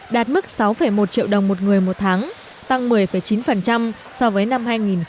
đạt mức sáu một triệu đồng một người một tháng tăng một mươi chín so với năm hai nghìn một mươi